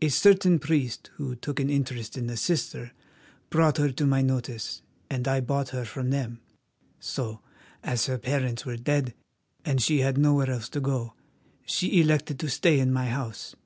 A certain priest, who took an interest in the sister, brought her to my notice and I bought her from them; so, as her parents were dead and she had nowhere else to go, she elected to stay in my house.